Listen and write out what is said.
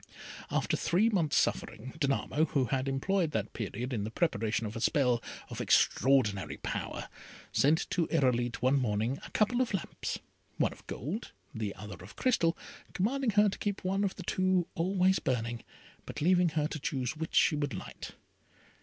After three months' suffering, Danamo, who had employed that period in the preparation of a spell of extraordinary power, sent to Irolite one morning a couple of lamps, one of gold, the other of crystal, commanding her to keep one of the two always burning, but leaving her to choose which she would light.